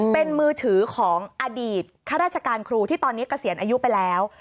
เป็นมือถือของอดีตข้าราชการครูที่ตอนนี้เกษียณอายุไปแล้ว